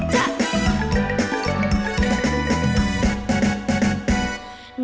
จะ